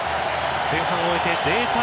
前半を終えて０対０。